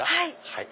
はい。